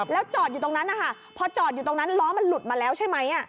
แล้วจอดอยู่ตรงนั้นนะคะพอจอดอยู่ตรงนั้นล้อมันหลุดมาแล้วใช่ไหม